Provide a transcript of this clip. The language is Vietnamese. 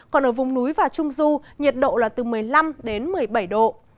còn ở vùng núi và trung du nhiệt độ là từ một mươi năm đến một mươi bảy độ